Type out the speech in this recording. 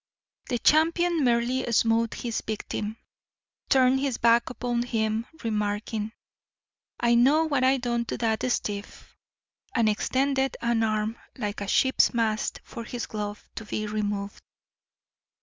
The champion merely smote his victim, turned his back upon him, remarking, "I know what I done to dat stiff," and extended an arm like a ship's mast for his glove to be removed.